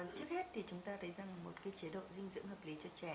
trước hết thì chúng ta thấy rằng một chế độ dinh dưỡng hợp lý cho trẻ